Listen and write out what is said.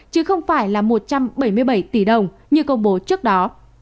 chứ không phải là một trăm bảy mươi bảy tỷ đồng như công bố trước đó